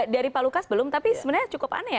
dari pak lukas belum tapi sebenarnya cukup aneh ya